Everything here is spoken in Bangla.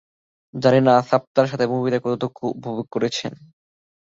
জানি না সাবটার সাথে মুভিটা কতটুকু উপভোগ করেছেন।